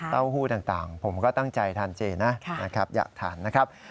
เต้าหู้ต่างผมก็ตั้งใจทานเจนะครับอยากทานนะครับ